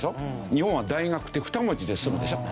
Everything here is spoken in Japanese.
日本は大学って２文字で済むでしょ。